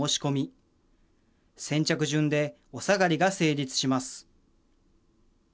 先着順でおさがりが成立します